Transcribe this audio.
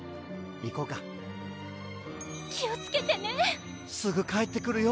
行こうか気をつけてねすぐ帰ってくるよ